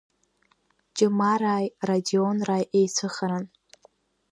Ҷымарааи Радионрааи еицәыхаран.